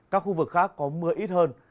các khu vực khác có mưa ít hơn